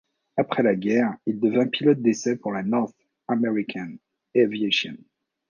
Après la guerre, il devint pilote d'essai pour la North American Aviation.